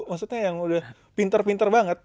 maksudnya yang udah pinter pinter banget